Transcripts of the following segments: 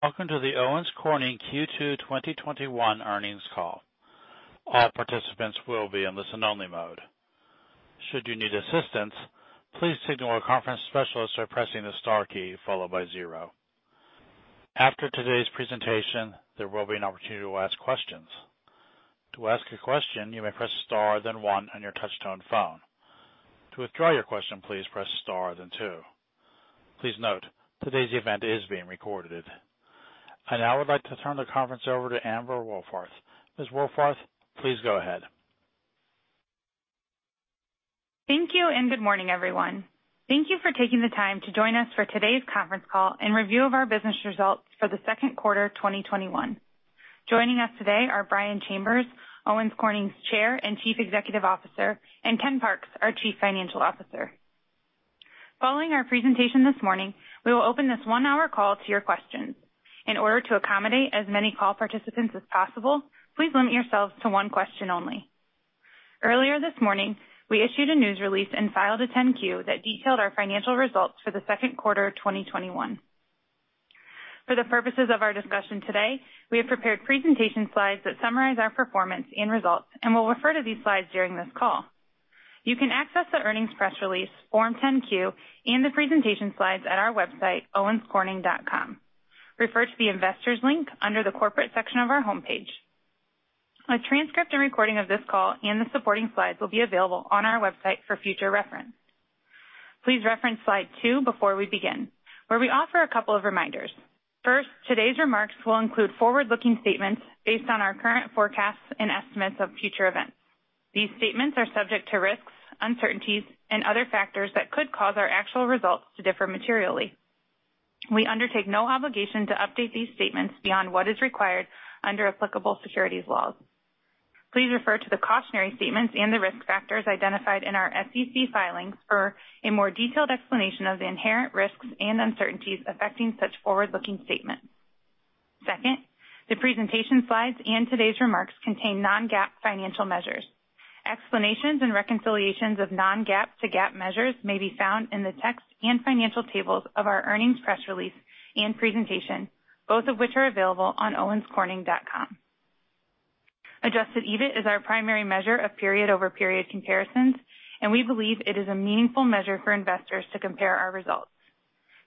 Welcome to the Owens Corning Q2 2021 earnings call. Our participants will be on listening only mode. Should you need assistance, please signal a conference specialist by pressing the star key followed by zero. After today's presentation, there will be an opportunity to ask questions. To ask a question, you may press star then one on your touch-tone phone. To withdraw your question, please press star then two. Please not that today's event is being recorded. I now would like to turn the conference over to Amber Wohlfarth. Ms. Wohlfarth, please go ahead. Thank you, and good morning, everyone. Thank you for taking the time to join us for today's conference call and review of our business results for the second quarter of 2021. Joining us today are Brian Chambers, Owens Corning's Chair and Chief Executive Officer, and Ken Parks, our Chief Financial Officer. Following our presentation this morning, we will open this one-hour call to your questions. In order to accommodate as many call participants as possible, please limit yourselves to one question only. Earlier this morning, we issued a news release and filed a 10-Q that detailed our financial results for the second quarter of 2021. For the purposes of our discussion today, we have prepared presentation slides that summarize our performance and results and will refer to these slides during this call. You can access the earnings press release, Form 10-Q, and the presentation slides at our website, owenscorning.com. Refer to the Investors link under the Corporate section of our homepage. A transcript and recording of this call and the supporting slides will be available on our website for future reference. Please reference slide two before we begin, where we offer a couple of reminders. First, today's remarks will include forward-looking statements based on our current forecasts and estimates of future events. These statements are subject to risks, uncertainties, and other factors that could cause our actual results to differ materially. We undertake no obligation to update these statements beyond what is required under applicable securities laws. Please refer to the cautionary statements and the risk factors identified in our SEC filings for a more detailed explanation of the inherent risks and uncertainties affecting such forward-looking statements. Second, the presentation slides and today's remarks contain non-GAAP financial measures. Explanations and reconciliations of non-GAAP to GAAP measures may be found in the text and financial tables of our earnings press release and presentation, both of which are available on owenscorning.com. Adjusted EBIT is our primary measure of period-over-period comparisons, and we believe it is a meaningful measure for investors to compare our results.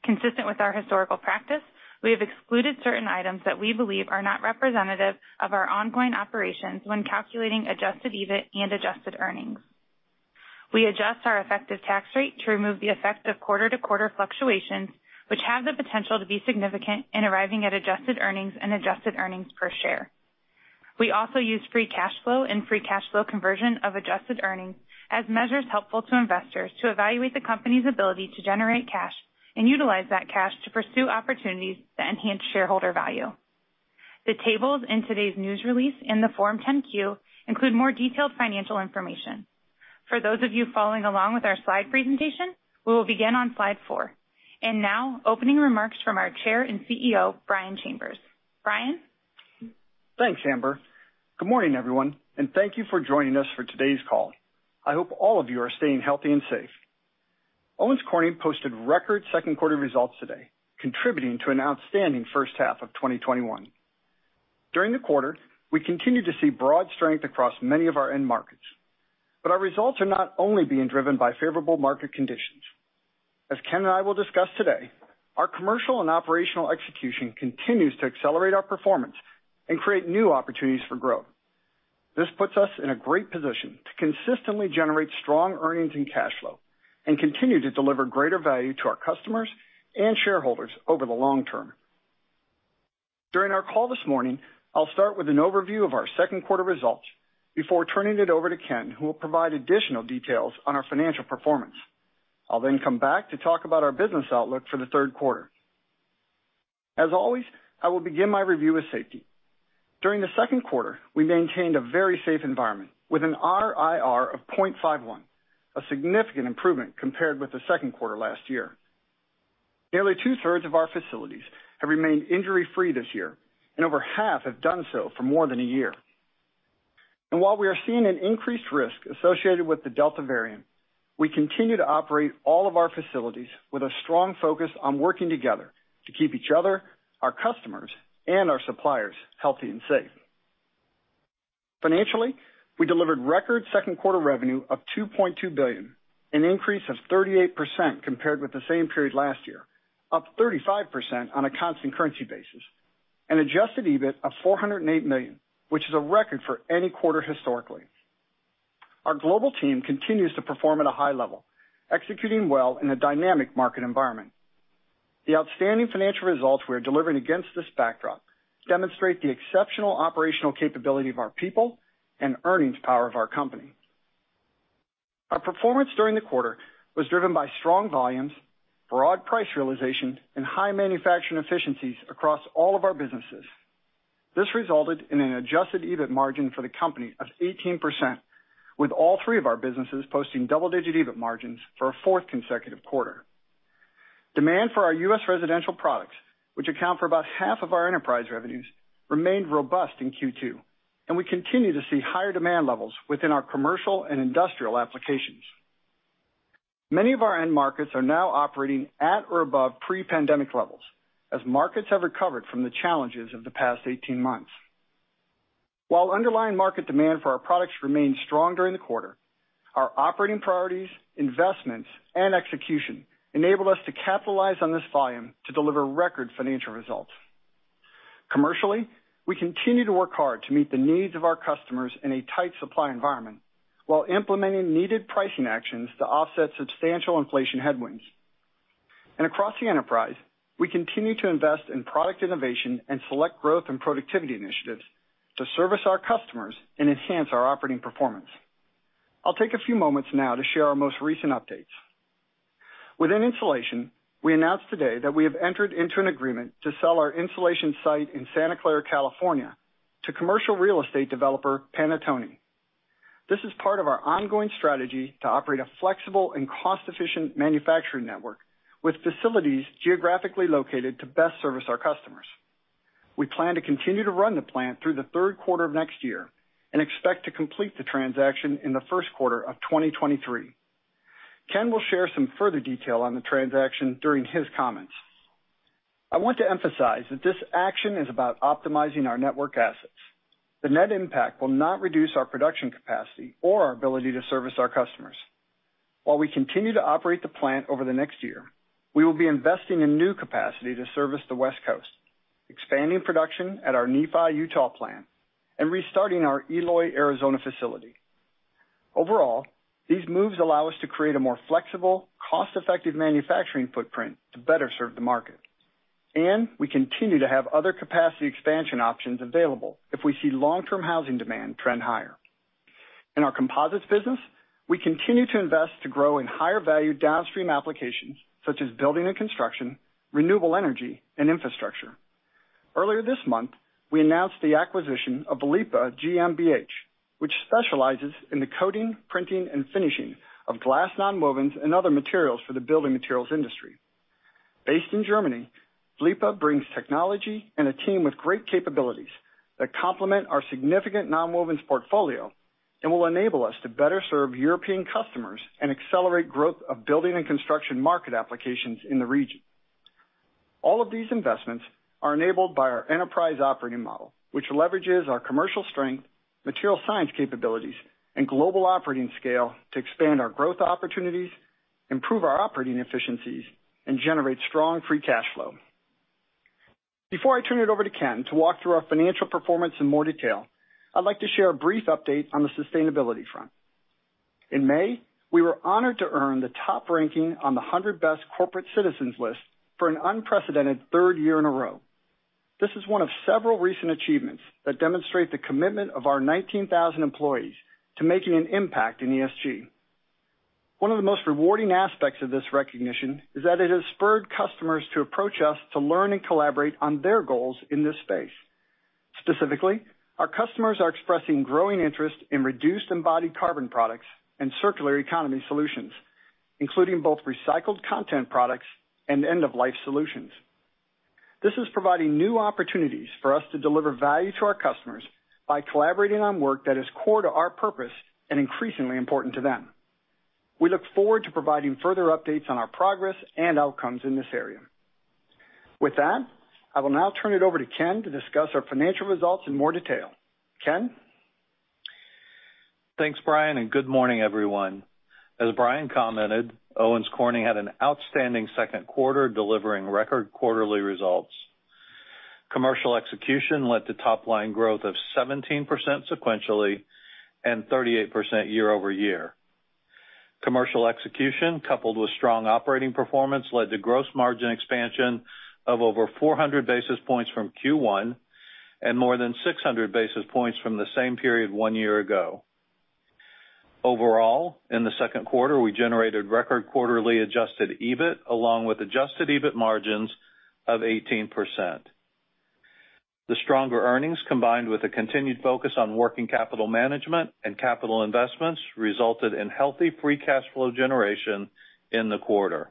Consistent with our historical practice, we have excluded certain items that we believe are not representative of our ongoing operations when calculating adjusted EBIT and adjusted earnings. We adjust our effective tax rate to remove the effect of quarter-to-quarter fluctuations, which have the potential to be significant in arriving at adjusted earnings and adjusted earnings per share. We also use free cash flow and free cash flow conversion of adjusted earnings as measures helpful to investors to evaluate the company's ability to generate cash and utilize that cash to pursue opportunities that enhance shareholder value. The tables in today's news release in the Form 10-Q include more detailed financial information. For those of you following along with our slide presentation, we will begin on slide four. Now, opening remarks from our Chair and CEO, Brian Chambers. Brian? Thanks, Amber. Good morning, everyone, and thank you for joining us for today's call. I hope all of you are staying healthy and safe. Owens Corning posted record second quarter results today, contributing to an outstanding first half of 2021. During the quarter, we continued to see broad strength across many of our end markets. Our results are not only being driven by favorable market conditions. As Ken and I will discuss today, our commercial and operational execution continues to accelerate our performance and create new opportunities for growth. This puts us in a great position to consistently generate strong earnings and cash flow and continue to deliver greater value to our customers and shareholders over the long term. During our call this morning, I'll start with an overview of our second quarter results before turning it over to Ken, who will provide additional details on our financial performance. I'll then come back to talk about our business outlook for the third quarter. As always, I will begin my review with safety. During the second quarter, we maintained a very safe environment with an RIR of 0.51, a significant improvement compared with the second quarter last year. Nearly 2/3 of our facilities have remained injury-free this year, and over half have done so for more than a year. While we are seeing an increased risk associated with the Delta variant, we continue to operate all of our facilities with a strong focus on working together to keep each other, our customers, and our suppliers healthy and safe. Financially, we delivered record second quarter revenue of $2.2 billion, an increase of 38% compared with the same period last year, up 35% on a constant currency basis, and adjusted EBIT of $408 million, which is a record for any quarter historically. Our global team continues to perform at a high level, executing well in a dynamic market environment. The outstanding financial results we are delivering against this backdrop demonstrate the exceptional operational capability of our people and earnings power of our company. Our performance during the quarter was driven by strong volumes, broad price realization, and high manufacturing efficiencies across all of our businesses. This resulted in an adjusted EBIT margin for the company of 18%, with all three of our businesses posting double-digit EBIT margins for a fourth consecutive quarter. Demand for our U.S. residential products, which account for about half of our enterprise revenues, remained robust in Q2, and we continue to see higher demand levels within our commercial and industrial applications. Many of our end markets are now operating at or above pre-pandemic levels as markets have recovered from the challenges of the past 18 months. While underlying market demand for our products remained strong during the quarter, our operating priorities, investments, and execution enabled us to capitalize on this volume to deliver record financial results. Commercially, we continue to work hard to meet the needs of our customers in a tight supply environment while implementing needed pricing actions to offset substantial inflation headwinds. Across the enterprise, we continue to invest in product innovation and select growth and productivity initiatives to service our customers and enhance our operating performance. I'll take a few moments now to share our most recent updates. Within insulation, we announced today that we have entered into an agreement to sell our insulation site in Santa Clara, California, to commercial real estate developer Panattoni. This is part of our ongoing strategy to operate a flexible and cost-efficient manufacturing network with facilities geographically located to best service our customers. We plan to continue to run the plant through the 3rd quarter of next year and expect to complete the transaction in the 1st quarter of 2023. Ken will share some further detail on the transaction during his comments. I want to emphasize that this action is about optimizing our network assets. The net impact will not reduce our production capacity or our ability to service our customers. While we continue to operate the plant over the next one year, we will be investing in new capacity to service the West Coast, expanding production at our Nephi, Utah plant, and restarting our Eloy, Arizona facility. Overall, these moves allow us to create a more flexible, cost-effective manufacturing footprint to better serve the market, and we continue to have other capacity expansion options available if we see long-term housing demand trend higher. In our composites business, we continue to invest to grow in higher-value downstream applications such as building and construction, renewable energy, and infrastructure. Earlier this month, we announced the acquisition of vliepa GmbH, which specializes in the coating, printing, and finishing of glass nonwovens and other materials for the building materials industry. Based in Germany, Vliepa brings technology and a team with great capabilities that complement our significant nonwovens portfolio and will enable us to better serve European customers and accelerate growth of building and construction market applications in the region. All of these investments are enabled by our enterprise operating model, which leverages our commercial strength, material science capabilities, and global operating scale to expand our growth opportunities, improve our operating efficiencies, and generate strong free cash flow. Before I turn it over to Ken to walk through our financial performance in more detail, I'd like to share a brief update on the sustainability front. In May, we were honored to earn the top ranking on the 100 Best Corporate Citizens list for an unprecedented third year in a row. This is one of several recent achievements that demonstrate the commitment of our 19,000 employees to making an impact in ESG. One of the most rewarding aspects of this recognition is that it has spurred customers to approach us to learn and collaborate on their goals in this space. Specifically, our customers are expressing growing interest in reduced embodied carbon products and circular economy solutions, including both recycled content products and end-of-life solutions. This is providing new opportunities for us to deliver value to our customers by collaborating on work that is core to our purpose and increasingly important to them. We look forward to providing further updates on our progress and outcomes in this area. With that, I will now turn it over to Ken to discuss our financial results in more detail. Ken? Thanks, Brian, and good morning, everyone. As Brian commented, Owens Corning had an outstanding second quarter, delivering record quarterly results. Commercial execution led to top-line growth of 17% sequentially and 38% year-over-year. Commercial execution, coupled with strong operating performance, led to gross margin expansion of over 400 basis points from Q1 and more than 600 basis points from the same period one year ago. Overall, in the second quarter, we generated record quarterly adjusted EBIT along with adjusted EBIT margins of 18%. The stronger earnings, combined with a continued focus on working capital management and capital investments, resulted in healthy free cash flow generation in the quarter.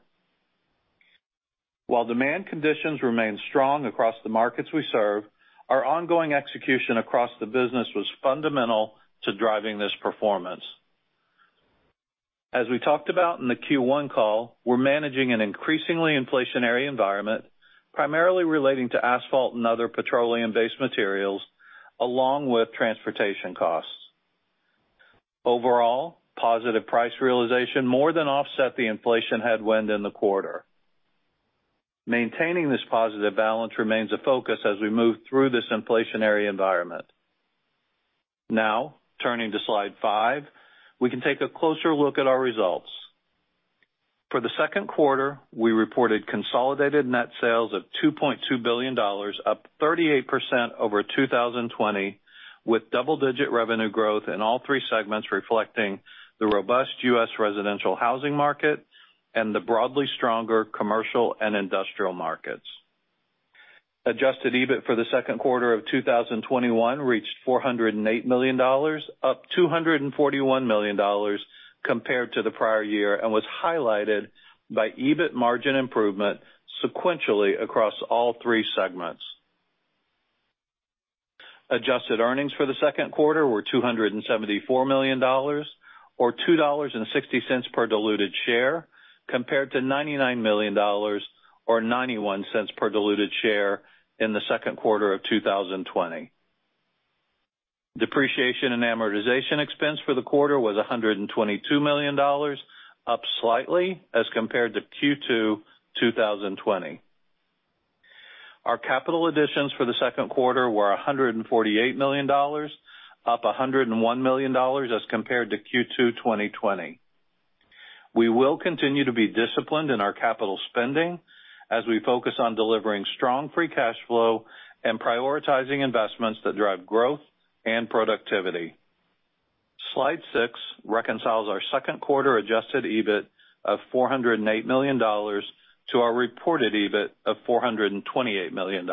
While demand conditions remain strong across the markets we serve, our ongoing execution across the business was fundamental to driving this performance. As we talked about in the Q1 call, we're managing an increasingly inflationary environment, primarily relating to asphalt and other petroleum-based materials, along with transportation costs. Overall, positive price realization more than offset the inflation headwind in the quarter. Maintaining this positive balance remains a focus as we move through this inflationary environment. Now, turning to slide five, we can take a closer look at our results. For the second quarter, we reported consolidated net sales of $2.2 billion, up 38% over 2020, with double-digit revenue growth in all three segments, reflecting the robust U.S. residential housing market and the broadly stronger commercial and industrial markets. Adjusted EBIT for the second quarter of 2021 reached $408 million, up $241 million compared to the prior year, and was highlighted by EBIT margin improvement sequentially across all three segments. Adjusted earnings for the second quarter were $274 million, or $2.60 per diluted share, compared to $99 million or $0.91 per diluted share in the second quarter of 2020. Depreciation and amortization expense for the quarter was $122 million, up slightly as compared to Q2 2020. Our capital additions for the second quarter were $148 million, up $101 million as compared to Q2 2020. We will continue to be disciplined in our capital spending as we focus on delivering strong free cash flow and prioritizing investments that drive growth and productivity. Slide six reconciles our second quarter adjusted EBIT of $408 million to our reported EBIT of $428 million.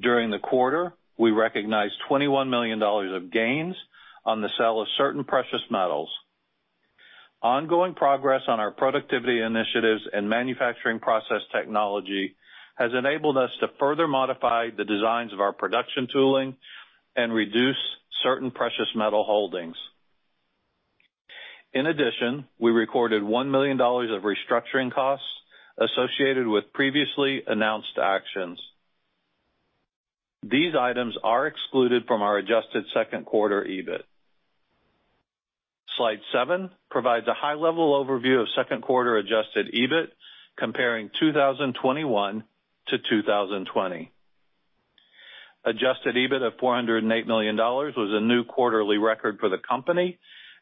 During the quarter, we recognized $21 million of gains on the sale of certain precious metals. Ongoing progress on our productivity initiatives and manufacturing process technology has enabled us to further modify the designs of our production tooling and reduce certain precious metal holdings. In addition, we recorded $1 million of restructuring costs associated with previously announced actions. These items are excluded from our adjusted second quarter EBIT. Slide seven provides a high-level overview of second quarter adjusted EBIT comparing 2021 to 2020. Adjusted EBIT of $408 million was a new quarterly record for the company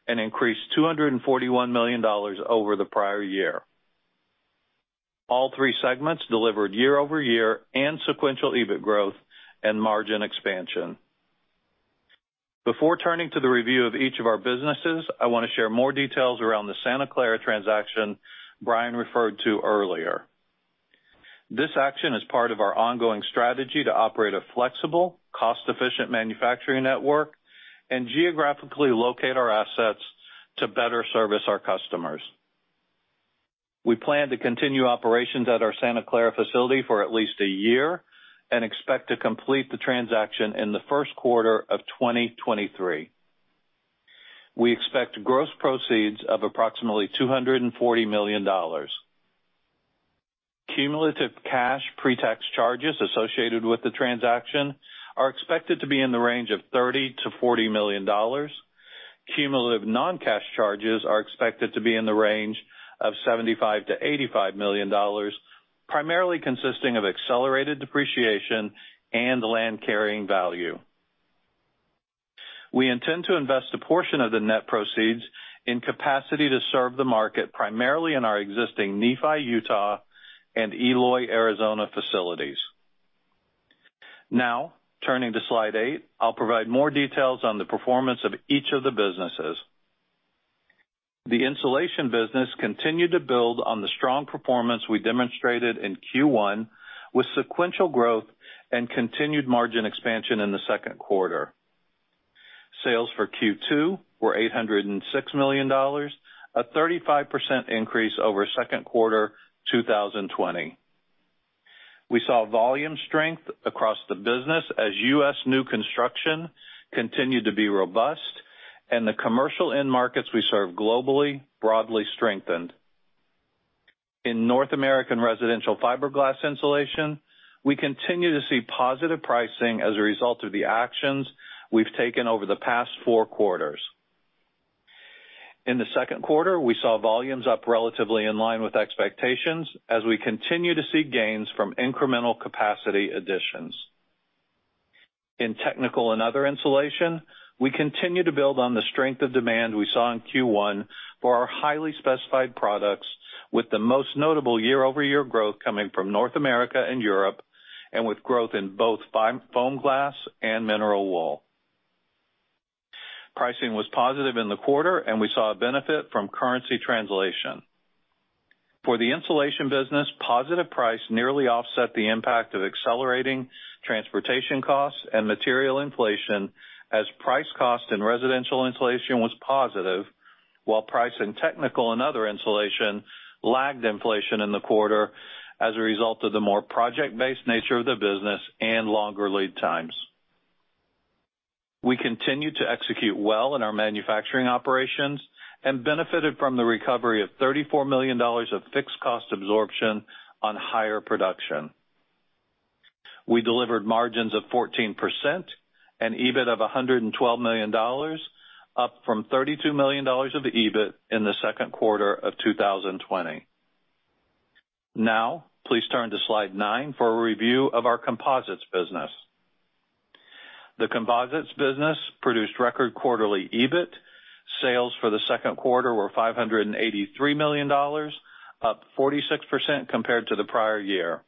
and increased $241 million over the prior year. All three segments delivered year-over-year and sequential EBIT growth and margin expansion. Before turning to the review of each of our businesses, I want to share more details around the Santa Clara transaction Brian referred to earlier. This action is part of our ongoing strategy to operate a flexible, cost-efficient manufacturing network and geographically locate our assets to better service our customers. We plan to continue operations at our Santa Clara facility for at least a year and expect to complete the transaction in the first quarter of 2023. We expect gross proceeds of approximately $240 million. Cumulative cash pre-tax charges associated with the transaction are expected to be in the range of $30 million-$40 million. Cumulative non-cash charges are expected to be in the range of $75 million-$85 million, primarily consisting of accelerated depreciation and land carrying value. We intend to invest a portion of the net proceeds in capacity to serve the market, primarily in our existing Nephi, Utah and Eloy, Arizona facilities. Now, turning to slide eight, I'll provide more details on the performance of each of the businesses. The insulation business continued to build on the strong performance we demonstrated in Q1, with sequential growth and continued margin expansion in the second quarter. Sales for Q2 were $806 million, a 35% increase over second quarter 2020. We saw volume strength across the business as U.S. new construction continued to be robust and the commercial end markets we serve globally broadly strengthened. In North American residential fiberglass insulation, we continue to see positive pricing as a result of the actions we've taken over the past four quarters. In the second quarter, we saw volumes up relatively in line with expectations as we continue to see gains from incremental capacity additions. In technical and other insulation, we continue to build on the strength of demand we saw in Q1 for our highly specified products, with the most notable year-over-year growth coming from North America and Europe, with growth in both FOAMGLAS and mineral wool. Pricing was positive in the quarter, and we saw a benefit from currency translation. For the insulation business, positive price nearly offset the impact of accelerating transportation costs and material inflation as price cost in residential insulation was positive while price in technical and other insulation lagged inflation in the quarter as a result of the more project-based nature of the business and longer lead times. We continued to execute well in our manufacturing operations and benefited from the recovery of $34 million of fixed cost absorption on higher production. We delivered margins of 14% and EBIT of $112 million, up from $32 million of EBIT in the second quarter of 2020. Please turn to slide nine for a review of our Composites Business. The Composites Business produced record quarterly EBIT. Sales for the second quarter were $583 million, up 46% compared to the prior year.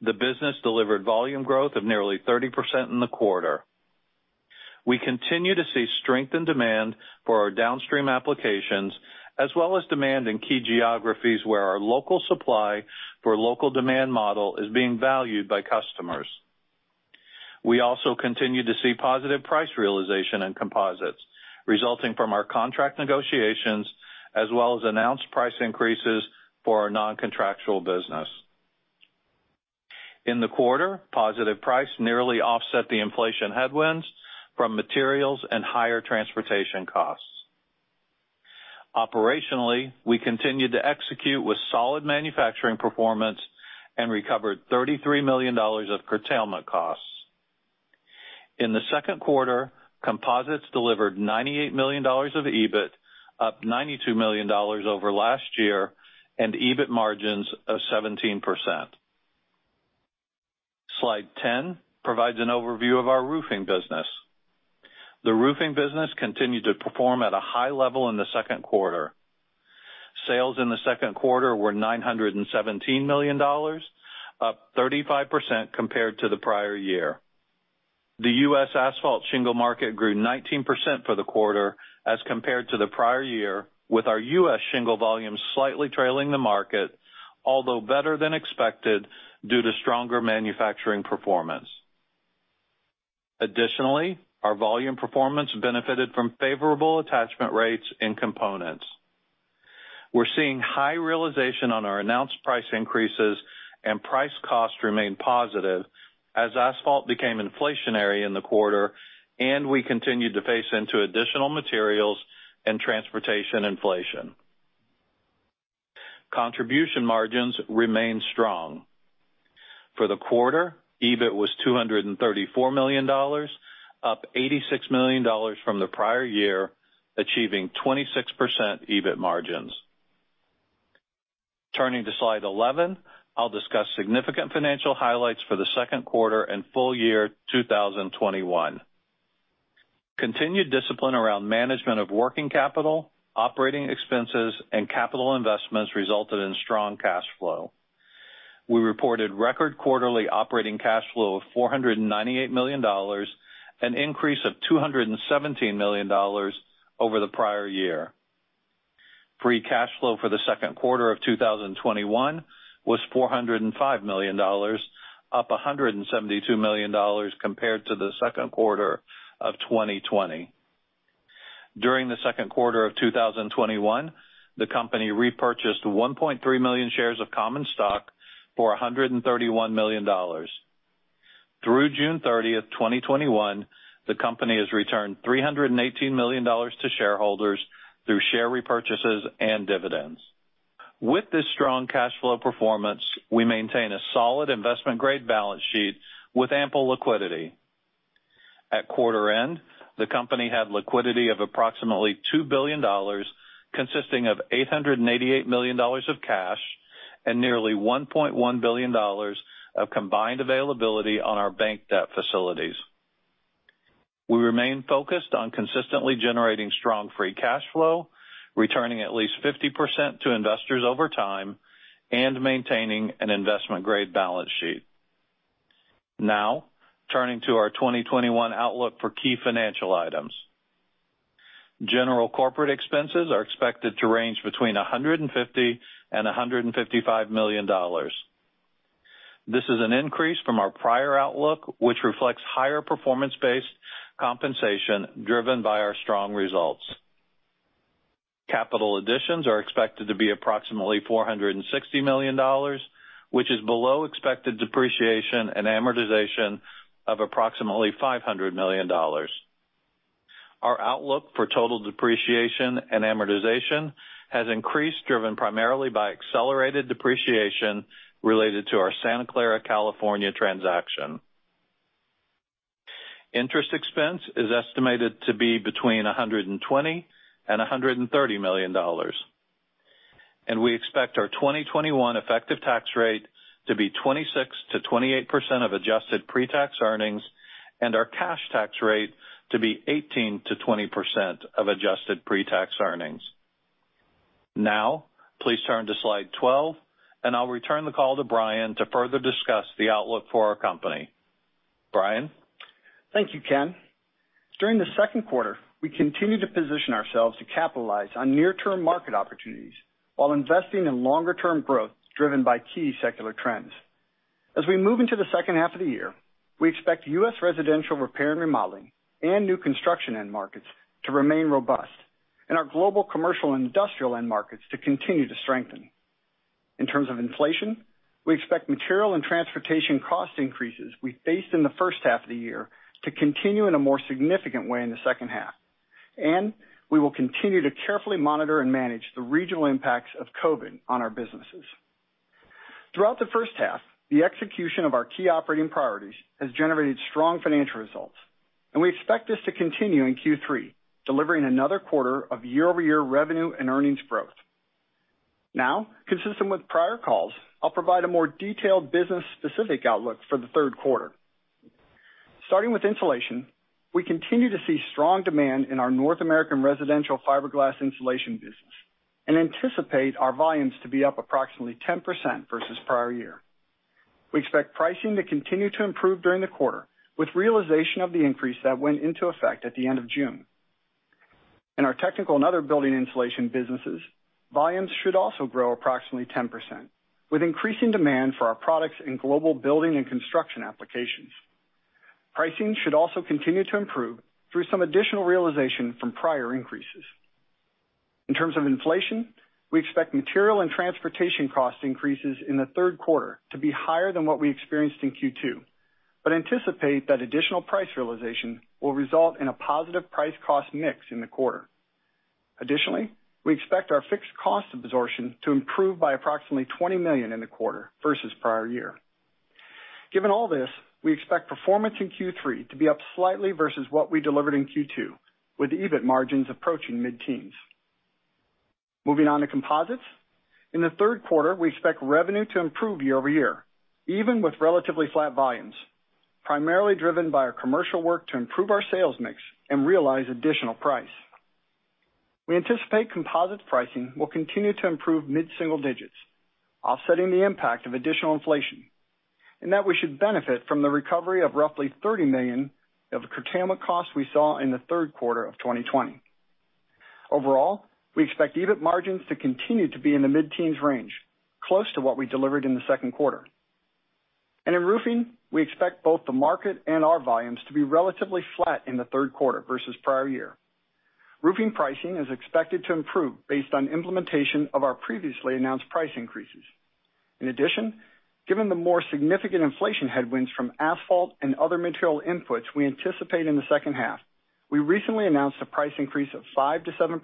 The business delivered volume growth of nearly 30% in the quarter. We continue to see strength in demand for our downstream applications, as well as demand in key geographies where our local supply for local demand model is being valued by customers. We also continue to see positive price realization in composites resulting from our contract negotiations, as well as announced price increases for our non-contractual business. In the quarter, positive price nearly offset the inflation headwinds from materials and higher transportation costs. Operationally, we continued to execute with solid manufacturing performance and recovered $33 million of curtailment costs. In the second quarter, composites delivered $98 million of EBIT, up $92 million over last year, and EBIT margins of 17%. Slide 10 provides an overview of our roofing business. The roofing business continued to perform at a high level in the second quarter. Sales in the second quarter were $917 million, up 35% compared to the prior year. The U.S. asphalt shingle market grew 19% for the quarter as compared to the prior year, with our U.S. shingle volumes slightly trailing the market, although better than expected due to stronger manufacturing performance. Additionally, our volume performance benefited from favorable attachment rates in components. We're seeing high realization on our announced price increases and price costs remain positive as asphalt became inflationary in the quarter, and we continued to face into additional materials and transportation inflation. Contribution margins remained strong. For the quarter, EBIT was $234 million, up $86 million from the prior year, achieving 26% EBIT margins. Turning to slide 11, I'll discuss significant financial highlights for the second quarter and full year 2021. Continued discipline around management of working capital, operating expenses, and capital investments resulted in strong cash flow. We reported record quarterly operating cash flow of $498 million, an increase of $217 million over the prior year. Free cash flow for the second quarter of 2021 was $405 million, up $172 million compared to the second quarter of 2020. During the second quarter of 2021, the company repurchased 1.3 million shares of common stock for $131 million. Through June 30th, 2021, the company has returned $318 million to shareholders through share repurchases and dividends. With this strong cash flow performance, we maintain a solid investment-grade balance sheet with ample liquidity. At quarter end, the company had liquidity of approximately $2 billion, consisting of $888 million of cash and nearly $1.1 billion of combined availability on our bank debt facilities. We remain focused on consistently generating strong free cash flow, returning at least 50% to investors over time, and maintaining an investment-grade balance sheet. Turning to our 2021 outlook for key financial items. General corporate expenses are expected to range between $150 and $155 million. This is an increase from our prior outlook, which reflects higher performance-based compensation driven by our strong results. Capital additions are expected to be approximately $460 million, which is below expected depreciation and amortization of approximately $500 million. Our outlook for total depreciation and amortization has increased, driven primarily by accelerated depreciation related to our Santa Clara, California, transaction. Interest expense is estimated to be between $120 million and $130 million. We expect our 2021 effective tax rate to be 26%-28% of adjusted pre-tax earnings and our cash tax rate to be 18%-20% of adjusted pre-tax earnings. Now, please turn to slide 12, and I'll return the call to Brian to further discuss the outlook for our company. Brian? Thank you, Ken. During the second quarter, we continued to position ourselves to capitalize on near-term market opportunities while investing in longer-term growth driven by key secular trends. As we move into the second half of the year, we expect U.S. residential repair and remodeling and new construction end markets to remain robust, and our global commercial and industrial end markets to continue to strengthen. In terms of inflation, we expect material and transportation cost increases we faced in the first half of the year to continue in a more significant way in the second half, and we will continue to carefully monitor and manage the regional impacts of COVID on our businesses. Throughout the first half, the execution of our key operating priorities has generated strong financial results, and we expect this to continue in Q3, delivering another quarter of year-over-year revenue and earnings growth. Now, consistent with prior calls, I'll provide a more detailed business-specific outlook for the third quarter. Starting with insulation, we continue to see strong demand in our North American residential fiberglass insulation business and anticipate our volumes to be up approximately 10% versus prior year. We expect pricing to continue to improve during the quarter, with realization of the increase that went into effect at the end of June. In our technical and other building insulation businesses, volumes should also grow approximately 10%, with increasing demand for our products in global building and construction applications. Pricing should also continue to improve through some additional realization from prior increases. In terms of inflation, we expect material and transportation cost increases in the third quarter to be higher than what we experienced in Q2, but anticipate that additional price realization will result in a positive price-cost mix in the quarter. Additionally, we expect our fixed cost absorption to improve by approximately $20 million in the quarter versus prior year. Given all this, we expect performance in Q3 to be up slightly versus what we delivered in Q2, with EBIT margins approaching mid-teens. Moving on to composites. In the third quarter, we expect revenue to improve year-over-year, even with relatively flat volumes, primarily driven by our commercial work to improve our sales mix and realize additional price. We anticipate composite pricing will continue to improve mid-single digits, offsetting the impact of additional inflation, and that we should benefit from the recovery of roughly $30 million of the curtailment costs we saw in the third quarter of 2020. Overall, we expect EBIT margins to continue to be in the mid-teens range, close to what we delivered in the second quarter. In roofing, we expect both the market and our volumes to be relatively flat in the third quarter versus prior year. Roofing pricing is expected to improve based on implementation of our previously announced price increases. In addition, given the more significant inflation headwinds from asphalt and other material inputs we anticipate in the second half, we recently announced a price increase of 5%-7%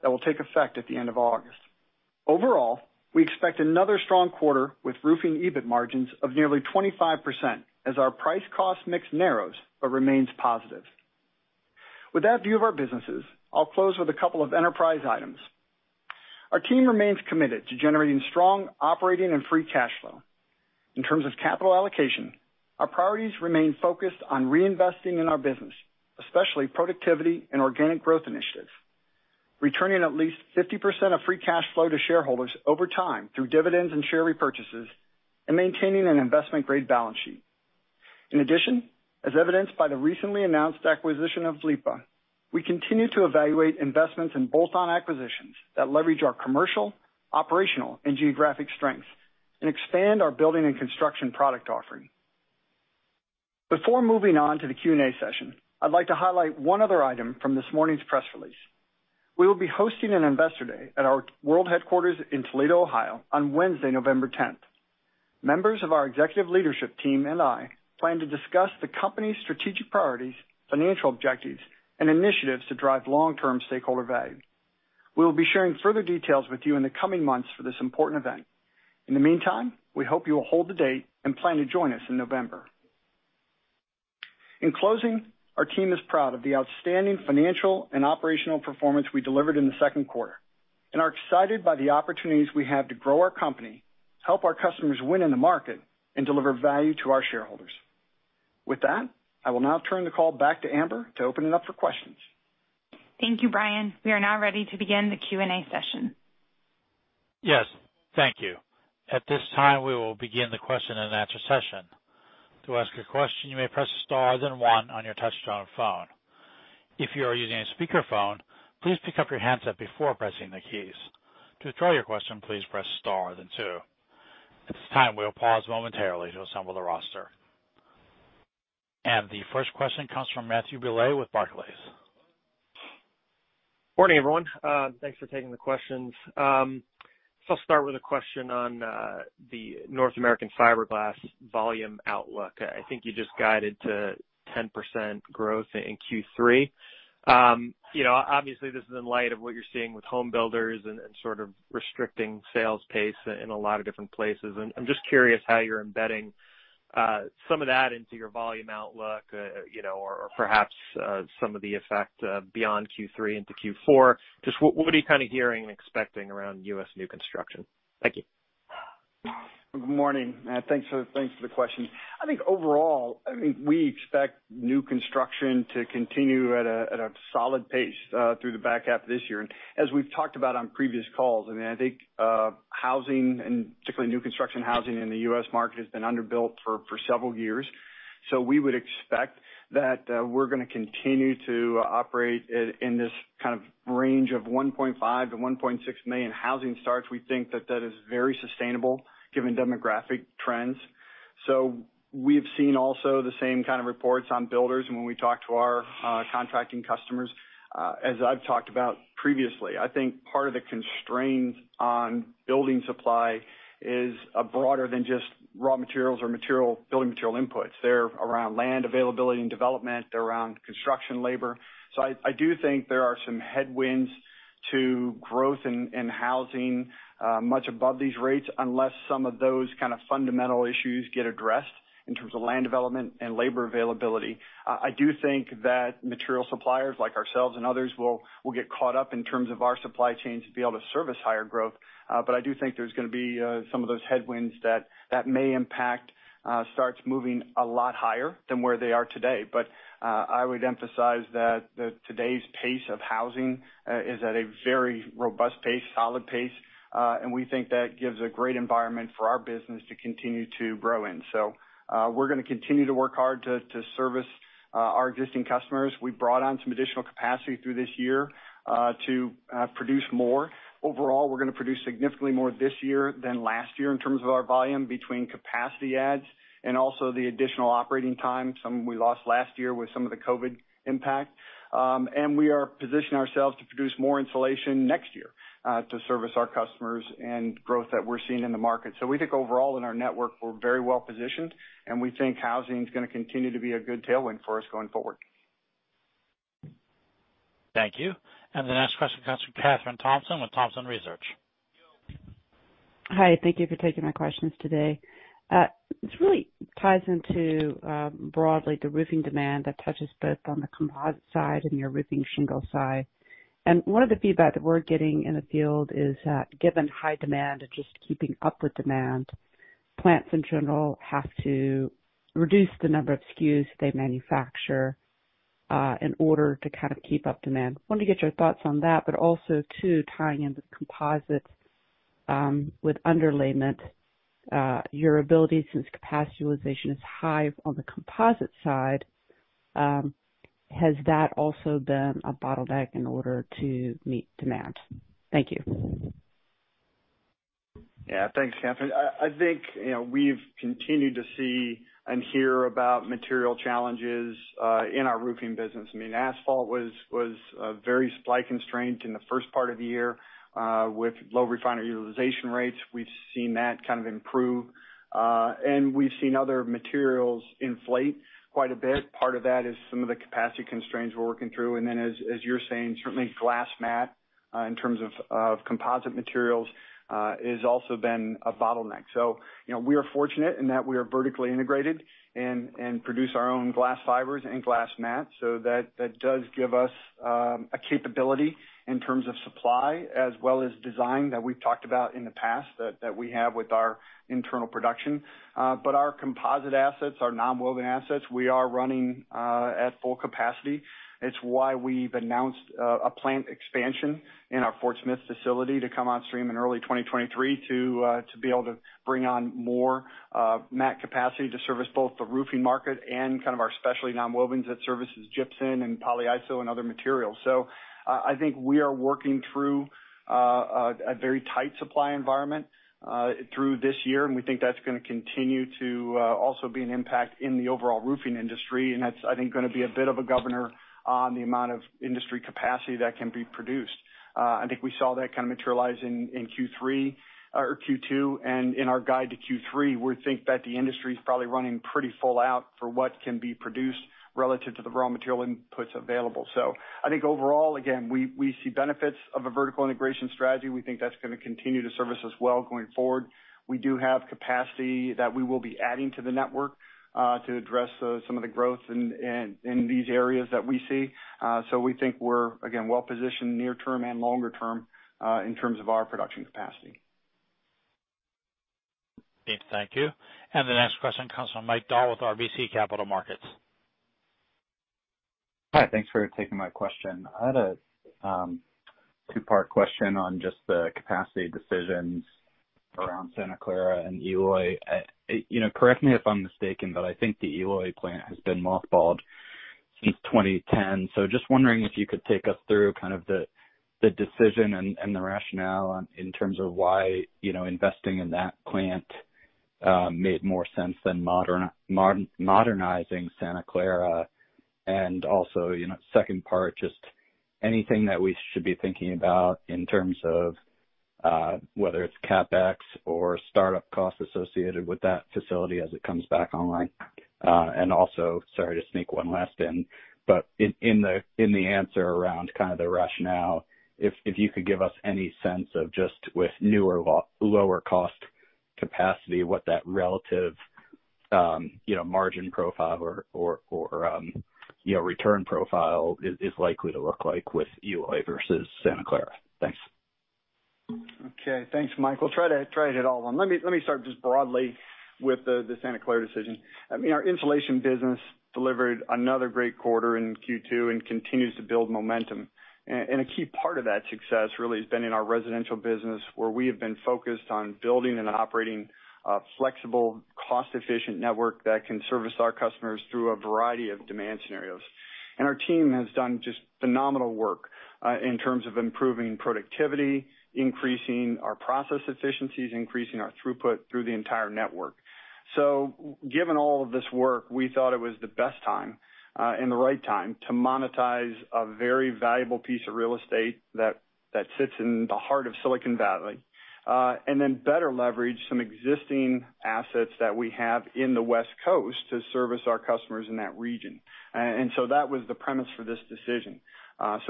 that will take effect at the end of August. Overall, we expect another strong quarter with roofing EBIT margins of nearly 25% as our price cost mix narrows but remains positive. With that view of our businesses, I'll close with a couple of enterprise items. Our team remains committed to generating strong operating and free cash flow. In terms of capital allocation, our priorities remain focused on reinvesting in our business, especially productivity and organic growth initiatives, returning at least 50% of free cash flow to shareholders over time through dividends and share repurchases, and maintaining an investment-grade balance sheet. In addition, as evidenced by the recently announced acquisition of Vliepa, we continue to evaluate investments in bolt-on acquisitions that leverage our commercial, operational, and geographic strengths and expand our building and construction product offering. Before moving on to the Q&A session, I'd like to highlight one other item from this morning's press release. We will be hosting an investor day at our world headquarters in Toledo, Ohio, on Wednesday, November 10th. Members of our executive leadership team and I plan to discuss the company's strategic priorities, financial objectives, and initiatives to drive long-term stakeholder value. We will be sharing further details with you in the coming months for this important event. In the meantime, we hope you will hold the date and plan to join us in November. In closing, our team is proud of the outstanding financial and operational performance we delivered in the second quarter and are excited by the opportunities we have to grow our company, help our customers win in the market, and deliver value to our shareholders. With that, I will now turn the call back to Amber to open it up for questions. Thank you, Brian. We are now ready to begin the Q&A session. Yes. Thank you. At this time, we will begin the question and answer session. To ask a question, you may press star then one on your touch-tone phone. If you are using a speakerphone, please pick up your handset before pressing the keys. To withdraw your question, please press star then two. At this time, we'll pause momentarily to assemble the roster. The first question comes from Matthew Bouley with Barclays. Morning, everyone. Thanks for taking the questions. I'll start with a question on the North American fiberglass volume outlook. I think you just guided to 10% growth in Q3. Obviously, this is in light of what you're seeing with home builders and sort of restricting sales pace in a lot of different places, and I'm just curious how you're embedding some of that into your volume outlook or perhaps some of the effect beyond Q3 into Q4. Just what are you kind of hearing and expecting around U.S. new construction? Thank you. Good morning. Thanks for the question. I think overall, we expect new construction to continue at a solid pace through the back half of this year. As we've talked about on previous calls, I think housing, and particularly new construction housing in the U.S. market, has been underbuilt for several years. We would expect that we're going to continue to operate in this kind of range of 1.5 million to 1.6 million housing starts. We think that that is very sustainable given demographic trends. We have seen also the same kind of reports on builders and when we talk to our contracting customers. As I've talked about previously, I think part of the constraints on building supply is broader than just raw materials or building material inputs. They're around land availability and development. They're around construction labor. I do think there are some headwinds to growth in housing much above these rates unless some of those kind of fundamental issues get addressed in terms of land development and labor availability. I do think that material suppliers like ourselves and others will get caught up in terms of our supply chains to be able to service higher growth, but I do think there's going to be some of those headwinds that may impact starts moving a lot higher than where they are today. I would emphasize that today's pace of housing is at a very robust pace, solid pace, and we think that gives a great environment for our business to continue to grow in. We're going to continue to work hard to service our existing customers. We brought on some additional capacity through this year to produce more. Overall, we're going to produce significantly more this year than last year in terms of our volume between capacity adds and also the additional operating time, some we lost last year with some of the COVID impact. We are positioning ourselves to produce more insulation next year to service our customers and growth that we're seeing in the market. We think overall in our network, we're very well-positioned, and we think housing's going to continue to be a good tailwind for us going forward. Thank you. The next question comes from Kathryn Thompson with Thompson Research. Hi. Thank you for taking my questions today. This really ties into, broadly, the roofing demand that touches both on the composite side and your roofing shingle side. One of the feedback that we're getting in the field is that given high demand and just keeping up with demand, plants in general have to reduce the number of SKUs they manufacture in order to kind of keep up demand. Wanted to get your thoughts on that, but also too, tying into the composites with underlayment, your ability since capacity utilization is high on the composite side, has that also been a bottleneck in order to meet demand? Thank you. Yeah. Thanks, Kathryn. I think we've continued to see and hear about material challenges in our roofing business. Asphalt was very supply constrained in the first part of the year with low refinery utilization rates. We've seen that kind of improve. We've seen other materials inflate quite a bit. Part of that is some of the capacity constraints we're working through. As you're saying, certainly glass mat, in terms of composite materials, has also been a bottleneck. We are fortunate in that we are vertically integrated and produce our own glass fibers and glass mats. That does give us a capability in terms of supply as well as design that we've talked about in the past that we have with our internal production. Our composite assets, our nonwoven assets, we are running at full capacity. It's why we've announced a plant expansion in our Fort Smith facility to come on stream in early 2023 to be able to bring on more mat capacity to service both the roofing market and kind of our specialty nonwovens that services gypsum and polyiso and other materials. I think we are working through a very tight supply environment through this year, and we think that's going to continue to also be an impact in the overall roofing industry, and that's, I think, going to be a bit of a governor on the amount of industry capacity that can be produced. I think we saw that kind of materialize in Q3 or Q2, and in our guide to Q3, we think that the industry's probably running pretty full out for what can be produced relative to the raw material inputs available. I think overall, again, we see benefits of a vertical integration strategy. We think that's going to continue to service us well going forward. We do have capacity that we will be adding to the network to address some of the growth in these areas that we see. We think we're, again, well-positioned near term and longer term in terms of our production capacity. Dave, thank you. The next question comes from Mike Dahl with RBC Capital Markets. Hi. Thanks for taking my question. I had a two-part question on just the capacity decisions around Santa Clara and Eloy. Correct me if I'm mistaken, but I think the Eloy plant has been mothballed since 2010. Just wondering if you could take us through kind of the decision and the rationale in terms of why investing in that plant made more sense than modernizing Santa Clara. Also, second part, just anything that we should be thinking about in terms of whether it's CapEx or startup costs associated with that facility as it comes back online. Also, sorry to sneak one last in, but in the answer around kind of the rationale, if you could give us any sense of just with newer, lower cost capacity, what that relative margin profile or return profile is likely to look like with Eloy versus Santa Clara. Thanks. Okay. Thanks, Mike. We'll try to hit all of them. Let me start just broadly with the Santa Clara decision. Our insulation business delivered another great quarter in Q2 and continues to build momentum. A key part of that success really has been in our residential business, where we have been focused on building and operating a flexible, cost-efficient network that can service our customers through a variety of demand scenarios. Our team has done just phenomenal work in terms of improving productivity, increasing our process efficiencies, increasing our throughput through the entire network. Given all of this work, we thought it was the best time and the right time to monetize a very valuable piece of real estate that sits in the heart of Silicon Valley, and then better leverage some existing assets that we have in the West Coast to service our customers in that region. That was the premise for this decision.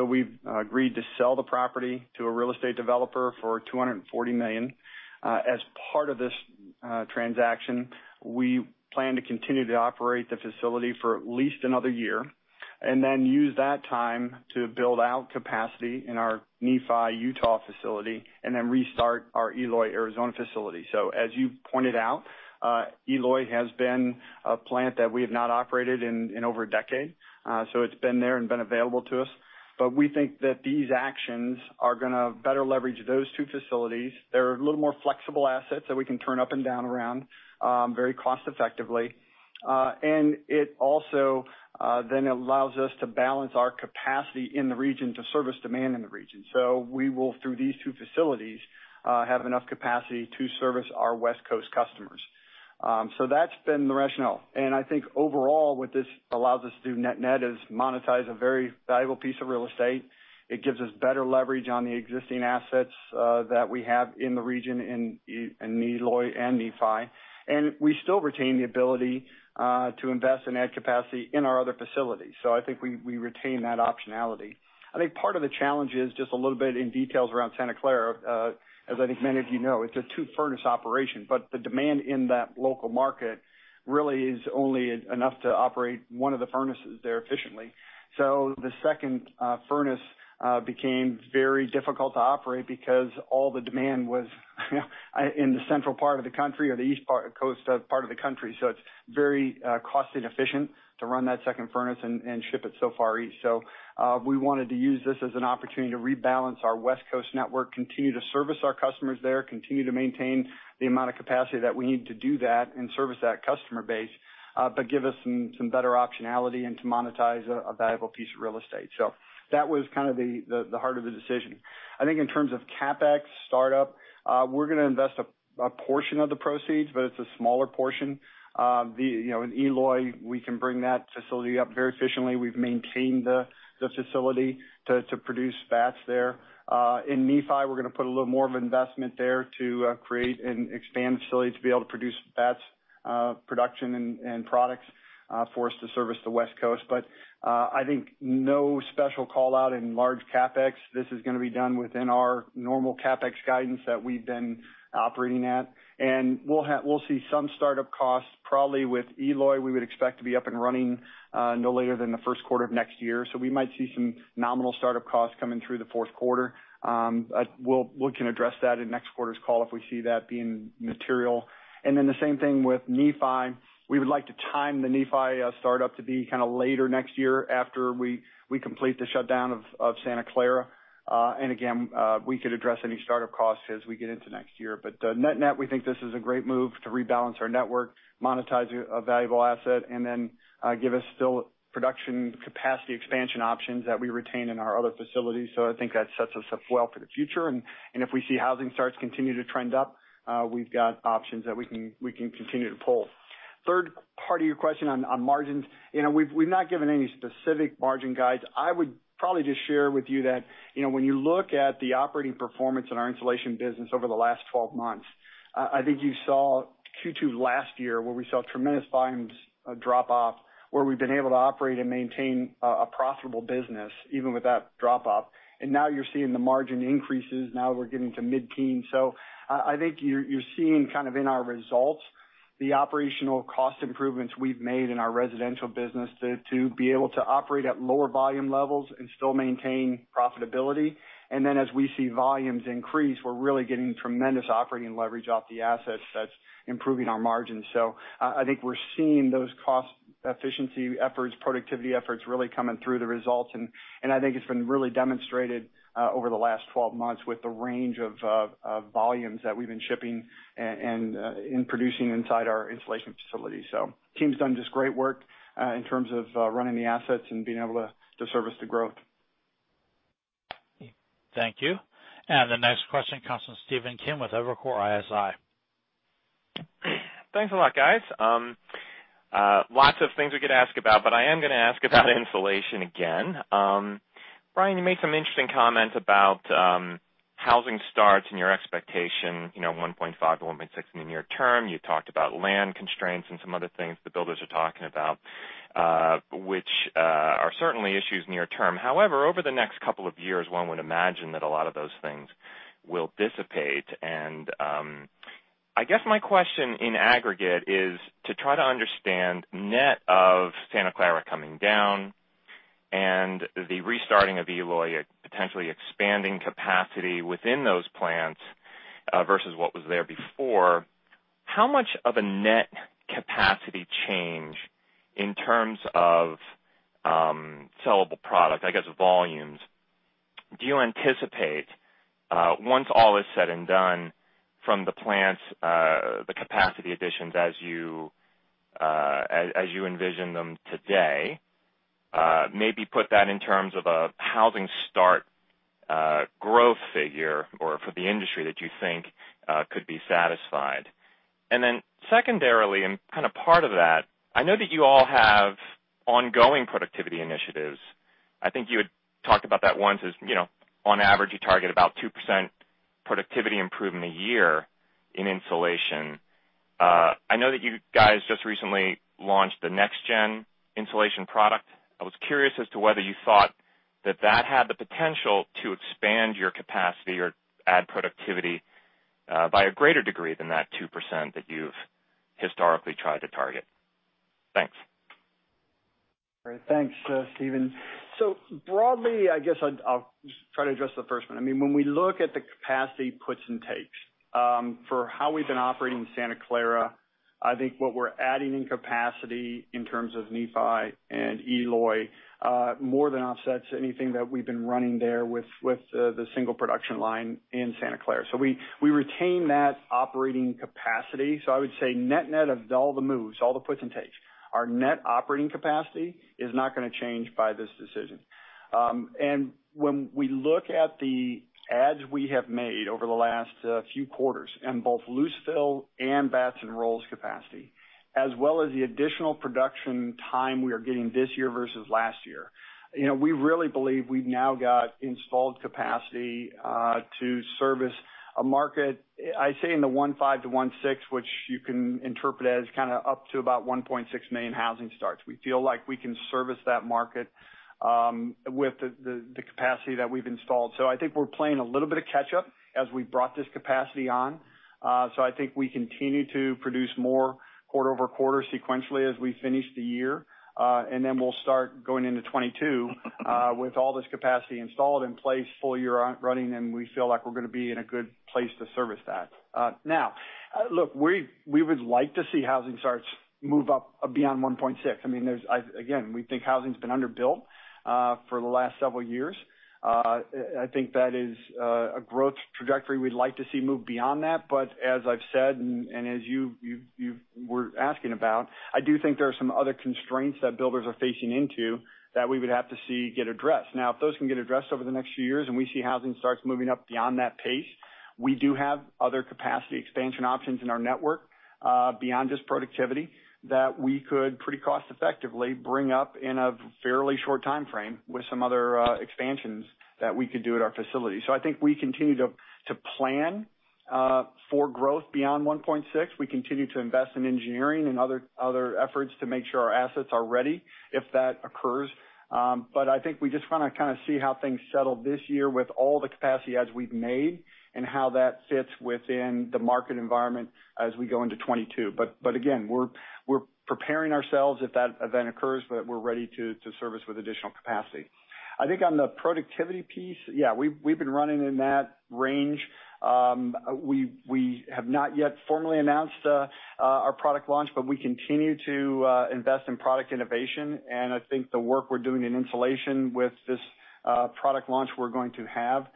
We've agreed to sell the property to a real estate developer for $240 million. As part of this transaction, we plan to continue to operate the facility for at least another year, and then use that time to build out capacity in our Nephi, Utah, facility, and then restart our Eloy, Arizona, facility. As you pointed out, Eloy has been a plant that we have not operated in over a decade. It's been there and been available to us. We think that these actions are going to better leverage those 2 facilities. They're a little more flexible assets that we can turn up and down around very cost effectively. It also then allows us to balance our capacity in the region to service demand in the region. We will, through these two facilities, have enough capacity to service our West Coast customers. That's been the rationale. I think overall, what this allows us to do net-net is monetize a very valuable piece of real estate. It gives us better leverage on the existing assets that we have in the region in Eloy and Nephi, and we still retain the ability to invest and add capacity in our other facilities. I think we retain that optionality. I think part of the challenge is just a little bit in details around Santa Clara. As I think many of you know, it's a two-furnace operation, but the demand in that local market really is only enough to operate onw of the furnaces there efficiently. The second furnace became very difficult to operate because all the demand was in the central part of the country or the East Coast part of the country. It's very cost inefficient to run that second furnace and ship it so far east. We wanted to use this as an opportunity to rebalance our West Coast network, continue to service our customers there, continue to maintain the amount of capacity that we need to do that and service that customer base, but give us some better optionality and to monetize a valuable piece of real estate. That was kind of the heart of the decision. I think in terms of CapEx startup, we're going to invest a portion of the proceeds, but it's a smaller portion. In Eloy, we can bring that facility up very efficiently. We've maintained the facility to produce batts there. In Nephi, we're going to put a little more of investment there to create and expand the facility to be able to produce batch production and products for us to service the West Coast. I think no special call-out in large CapEx. This is going to be done within our normal CapEx guidance that we've been operating at, and we'll see some startup costs probably with Eloy, we would expect to be up and running, no later than the first quarter of next year. We might see some nominal startup costs coming through the fourth quarter. We can address that in next quarter's call if we see that being material. The same thing with Nephi. We would like to time the Nephi startup to be later next year after we complete the shutdown of Santa Clara. Again, we could address any startup costs as we get into next year. Net-net, we think this is a great move to rebalance our network, monetize a valuable asset, and then give us still production capacity expansion options that we retain in our other facilities. I think that sets us up well for the future. If we see housing starts continue to trend up, we've got options that we can continue to pull. Third part of your question on margins. We've not given any specific margin guides. I would probably just share with you that when you look at the operating performance in our insulation business over the last 12 months, I think you saw Q2 last year where we saw tremendous volumes drop off, where we've been able to operate and maintain a profitable business even with that drop off. Now you're seeing the margin increases. Now we're getting to mid-teen. I think you're seeing in our results, the operational cost improvements we've made in our residential business to be able to operate at lower volume levels and still maintain profitability. Then as we see volumes increase, we're really getting tremendous operating leverage off the assets that's improving our margins. I think we're seeing those cost efficiency efforts, productivity efforts really coming through the results, and I think it's been really demonstrated over the last 12 months with the range of volumes that we've been shipping and producing inside our insulation facility. Team's done just great work in terms of running the assets and being able to service the growth. Thank you. The next question comes from Stephen Kim with Evercore ISI. Thanks a lot, guys. Lots of things we could ask about, but I am going to ask about insulation again. Brian, you made some interesting comments about housing starts and your expectation, 1.5 to 1.6 in the near term. You talked about land constraints and some other things the builders are talking about, which are certainly issues near term. However, over the next couple of years, one would imagine that a lot of those things will dissipate. I guess my question in aggregate is to try to understand net of Santa Clara coming down and the restarting of Eloy, potentially expanding capacity within those plants, versus what was there before. How much of a net capacity change in terms of sellable product, I guess, volumes, do you anticipate, once all is said and done from the plants, the capacity additions as you envision them today, maybe put that in terms of a housing start growth figure or for the industry that you think could be satisfied. Then secondarily, and part of that, I know that you all have ongoing productivity initiatives. I think you had talked about that once as on average you target about 2% productivity improvement a year in insulation. I know that you guys just recently launched the next-gen insulation product. I was curious as to whether you thought that that had the potential to expand your capacity or add productivity by a greater degree than that 2% that you've historically tried to target. Thanks. All right. Thanks, Stephen. Broadly, I guess I'll just try to address the first one. When we look at the capacity puts and takes for how we've been operating in Santa Clara, I think what we're adding in capacity in terms of Nephi and Eloy more than offsets anything that we've been running there with the single production line in Santa Clara. We retain that operating capacity. I would say net-net of all the moves, all the puts and takes, our net operating capacity is not going to change by this decision. When we look at the adds we have made over the last few quarters in both loose fill and batts and rolls capacity, as well as the additional production time we are getting this year versus last year, we really believe we've now got installed capacity to service a market, I'd say in the 1.5-1.6, which you can interpret as up to about 1.6 million housing starts. We feel like we can service that market with the capacity that we've installed. I think we're playing a little bit of catch up as we've brought this capacity on. I think we continue to produce more quarter over quarter sequentially as we finish the year. Then we'll start going into 2022 with all this capacity installed in place full year running, and we feel like we're going to be in a good place to service that. Now, look, we would like to see housing starts move up beyond 1.6. We think housing's been under-built for the last several years. I think that is a growth trajectory we'd like to see move beyond that. As I've said, and as you were asking about, I do think there are some other constraints that builders are facing into that we would have to see get addressed. If those can get addressed over the next few years and we see housing starts moving up beyond that pace, we do have other capacity expansion options in our network beyond just productivity that we could pretty cost effectively bring up in a fairly short timeframe with some other expansions that we could do at our facility. I think we continue to plan for growth beyond 1.6. We continue to invest in engineering and other efforts to make sure our assets are ready if that occurs. I think we just want to see how things settle this year with all the capacity adds we've made and how that fits within the market environment as we go into 2022. Again, we're preparing ourselves if that event occurs, but we're ready to service with additional capacity. I think on the productivity piece, yeah, we've been running in that range. We have not yet formally announced our product launch, but we continue to invest in product innovation. I think the work we're doing in insulation with this product launch we're going to have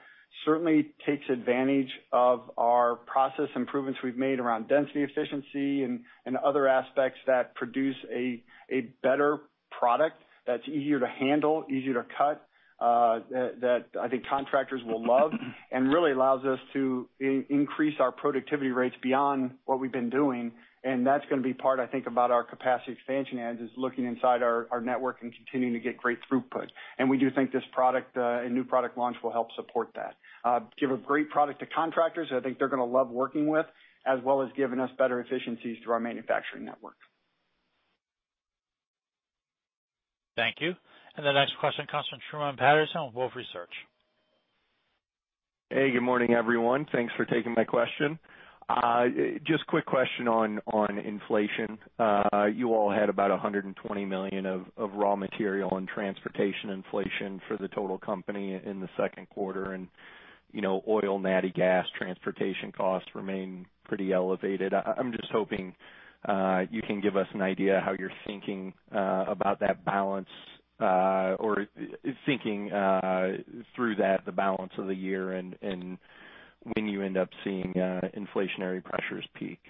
certainly takes advantage of our process improvements we've made around density efficiency and other aspects that produce a better product that's easier to handle, easier to cut, that I think contractors will love and really allows us to increase our productivity rates beyond what we've been doing. That's going to be part, I think, about our capacity expansion adds is looking inside our network and continuing to get great throughput. We do think this product and new product launch will help support that. Give a great product to contractors who I think they're going to love working with, as well as giving us better efficiencies through our manufacturing network. Thank you. The next question comes from Truman Patterson of Wolfe Research. Good morning, everyone. Thanks for taking my question. Quick question on inflation. You all had about $120 million of raw material and transportation inflation for the total company in the second quarter. Oil, natural gas, transportation costs remain pretty elevated. I'm just hoping you can give us an idea how you're thinking about that balance or thinking through the balance of the year and when you end up seeing inflationary pressures peak.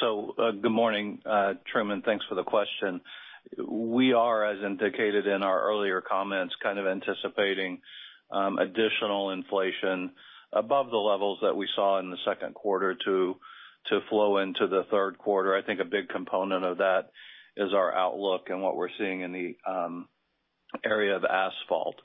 Good morning, Truman. Thanks for the question. We are, as indicated in our earlier comments, anticipating additional inflation above the levels that we saw in the second quarter to flow into the third quarter. I think a big component of that is our outlook and what we're seeing in the area of asphalt.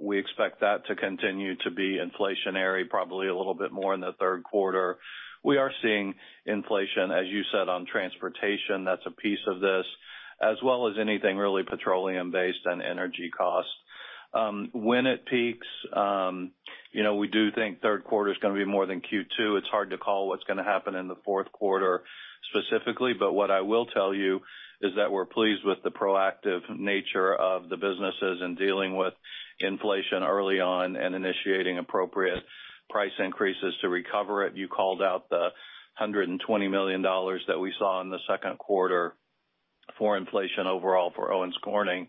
We expect that to continue to be inflationary, probably a little bit more in the third quarter. We are seeing inflation, as you said, on transportation. That's a piece of this, as well as anything really petroleum-based and energy cost. When it peaks, we do think third quarter is going to be more than Q2. It's hard to call what's going to happen in the fourth quarter specifically. What I will tell you is that we're pleased with the proactive nature of the businesses in dealing with inflation early on and initiating appropriate price increases to recover it. You called out the $120 million that we saw in the second quarter. For inflation overall for Owens Corning,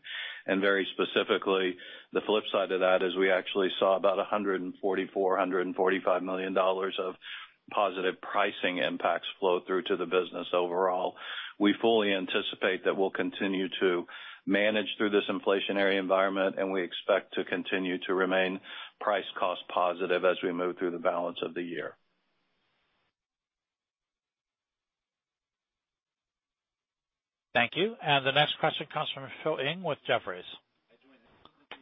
very specifically, the flip side of that is we actually saw about $144 million-$145 million of positive pricing impacts flow through to the business overall. We fully anticipate that we'll continue to manage through this inflationary environment, we expect to continue to remain price cost positive as we move through the balance of the year. Thank you. The next question comes from Philip Ng with Jefferies.